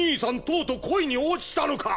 とうとう恋に落ちたのか。